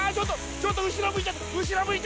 ちょっと後ろ向いちゃった！